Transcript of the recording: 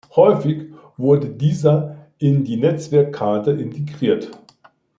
Häufig wurde dieser in die Netzwerkkarte integriert.